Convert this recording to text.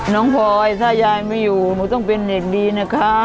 พลอยถ้ายายไม่อยู่หนูต้องเป็นเด็กดีนะคะ